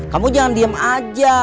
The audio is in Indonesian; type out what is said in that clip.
kamu jangan diem aja